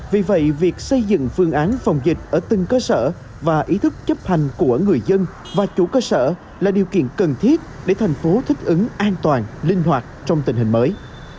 vì vậy việc xây dựng phương án phòng dịch ở từng cơ sở và ý thức chấp hành của người dân và chủ cơ sở là điều kiện cần thiết để thành phố thích ứng an toàn linh hoạt trong tình hình mới